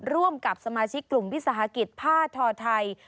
ร่วมกับสมาชิกกลุ่มภิกษาภาคิตผ้าทอไทร